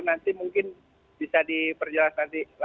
nanti mungkin bisa diperjelas lagi nanti pak